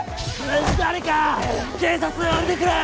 ・誰か警察を呼んでくれ！